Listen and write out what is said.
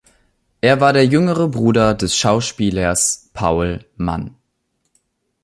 Er war der jüngere Bruder des Schauspielers Paul Mann.